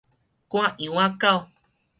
趕羊仔狗